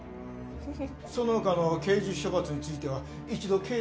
その他の刑事処罰については一度警察に。